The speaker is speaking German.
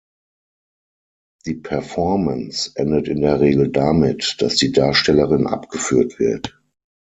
Die Performance endet in der Regel damit, dass die Darstellerin abgeführt wird.